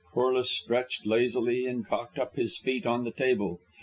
Corliss stretched lazily, and cocked up his feet on the table.